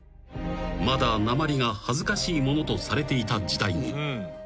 ［まだなまりが恥ずかしいものとされていた時代に］